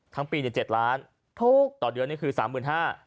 ทั้งปี๗ล้านต่อเดือนนี้คือ๓๕๐๐๐บาท